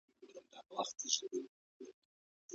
راڅخه پاته دا وطن دی اشنا نه راځمه